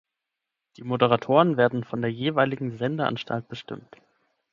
Die Moderatoren werden von der jeweiligen Sendeanstalt bestimmt.